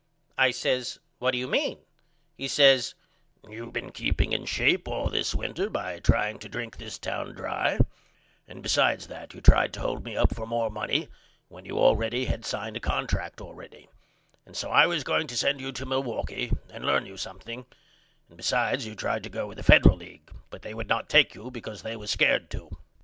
I says What do you mean? He says You been keeping in shape all this winter by trying to drink this town dry and besides that you tried to hold me up for more money when you allready had signed a contract allready and so I was going to send you to Milwaukee and learn you something and besides you tried to go with the Federal League but they would not take you because they was scared to.